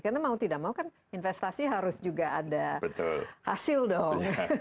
karena mau tidak mau kan investasi harus juga ada hasil dong